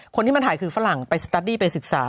คนที่มันถ่ายคือฝรั่งไปสตาร์ดี้ไปศึกษา